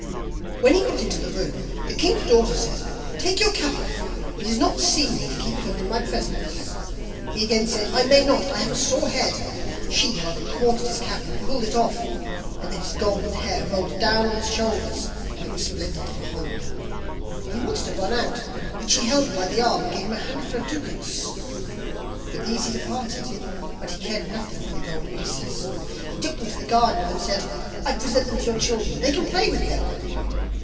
When he got into the room, the king's daughter said: 'Take your cap off, it is not seemly to keep it on in my presence.' He again said: 'I may not, I have a sore head.' She, however, caught at his cap and pulled it off, and then his golden hair rolled down on his shoulders, and it was splendid to behold. He wanted to run out, but she held him by the arm, and gave him a handful of ducats. With these he departed, but he cared nothing for the gold pieces. He took them to the gardener, and said: 'I present them to your children, they can play with them.